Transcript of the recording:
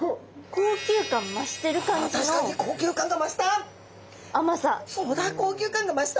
高級感が増した。